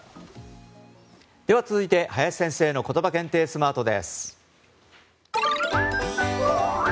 では、続いて林先生のことば検定スマートです。